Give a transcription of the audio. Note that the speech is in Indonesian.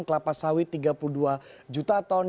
kelapa sawit tiga puluh dua juta ton